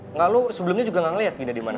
enggak lo sebelumnya juga gak ngeliat gina dimana